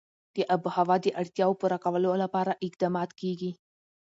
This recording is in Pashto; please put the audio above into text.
د آب وهوا د اړتیاوو پوره کولو لپاره اقدامات کېږي.